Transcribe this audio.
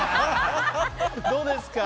どうですか？